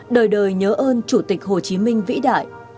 đời đời nhớ ơn chủ tịch hồ chí minh vĩ đại